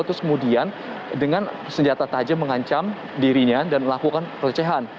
terus kemudian dengan senjata tajam mengancam dirinya dan melakukan pelecehan